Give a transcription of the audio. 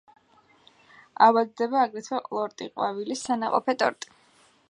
ავადდება აგრეთვე ყლორტი, ყვავილი, სანაყოფე ტოტი.